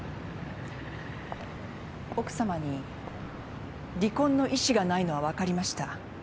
奥さまに離婚の意思がないのは分かりました。